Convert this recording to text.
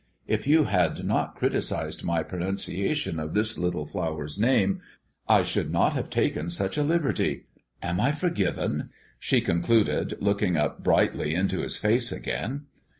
If you had not criticised my pronunciation of this little flower's name, I should not have taken such a liberty. Am I forgiven?" she concluded, looking up brightly into his face again.